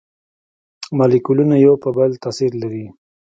مالیکولونه یو پر بل تاثیر لري.